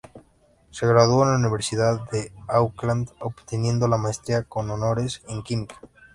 Se graduó en la Universidad de Auckland, obteniendo la maestría con Honores en Química.